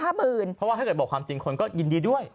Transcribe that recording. เพราะว่าถ้าเกิดบอกความจริงคนก็ยินดีด้วย